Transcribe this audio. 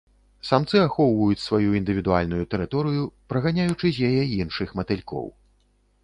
Самцы ахоўваюць сваю індывідуальную тэрыторыю, праганяючы з яе іншых матылькоў.